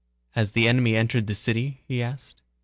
"Has the enemy entered the city?" he asked.